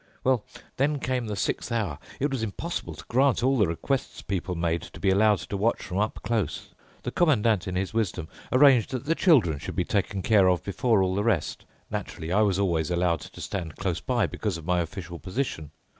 Well, then came the sixth hour. It was impossible to grant all the requests people made to be allowed to watch from up close. The Commandant, in his wisdom, arranged that the children should be taken care of before all the rest. Naturally, I was always allowed to stand close by, because of my official position.